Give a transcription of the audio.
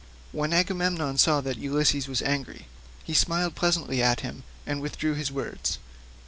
When Agamemnon saw that Ulysses was angry, he smiled pleasantly at him and withdrew his words.